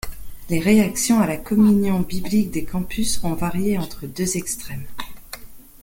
Les réactions à la Communion biblique des campus ont varié entre deux extrêmes.